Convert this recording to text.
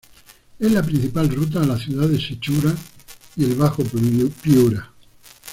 Es la principal ruta a la ciudad de Sechura y el bajo Piura.